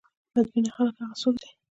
بد بینه خلک هغه څوک دي.